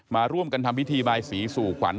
มาร่วมกันทำพิธีบายสีสู่ขวัญ